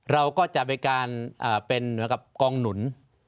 เราก็จะไปการเป็นเหมือนกับกองหนุน